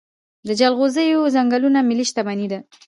د جلغوزیو ځنګلونه ملي شتمني ده.